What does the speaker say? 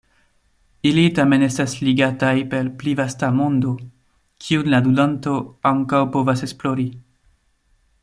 Ili tamen estas ligataj per pli vasta mondo, kiun la ludanto ankaŭ povas esplori.